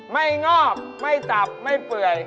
งอกไม่ตับไม่เปื่อย